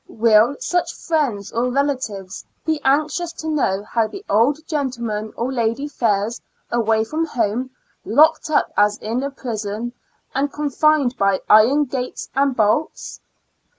Will such friends or relatives be anxious to know how the old gentleman or lady fares, away from home, locked up as in a prison, and confined by iron grates and bolts